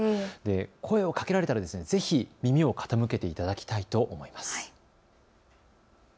声をかけられたらぜひ耳を傾けていただきたいと思います。